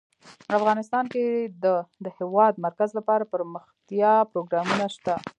افغانستان کې د د هېواد مرکز لپاره دپرمختیا پروګرامونه شته.